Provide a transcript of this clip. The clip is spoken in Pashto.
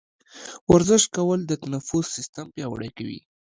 ورزش کول د تنفس سیستم پیاوړی کوي.